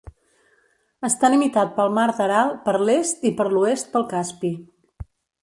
Està limitat pel mar d'Aral per l'est i per l'oest pel Caspi.